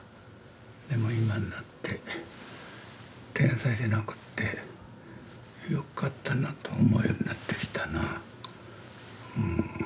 でも今になって天才じゃなくってよかったなと思えるようになってきたなぁ。